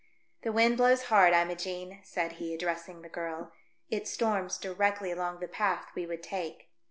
"The wind blows hard, Imogene," said he, addressing the girl. " It storms directly along the path we would take.